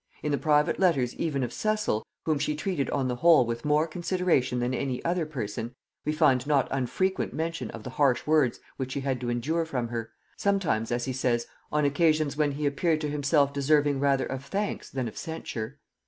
In the private letters even of Cecil, whom she treated on the whole with more consideration than any other person, we find not unfrequent mention of the harsh words which he had to endure from her, sometimes, as he says, on occasions when he appeared to himself deserving rather of thanks than of censure.